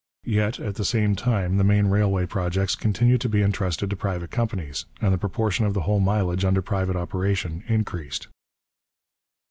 Yet, at the same time, the main railway projects continued to be entrusted to private companies, and the proportion of the whole mileage under private operation increased.